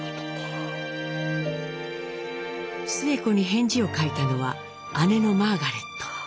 スエ子に返事を書いたのは姉のマーガレット。